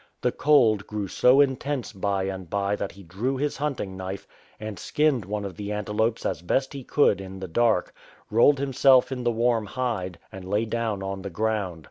The cold grew so intense by and by that he drew his hunting knife and skinned one of the antelopes as best he could in the dark, rolled himself in the warm hide, and lay down on the ground.